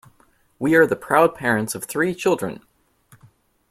We are the proud parents of three children.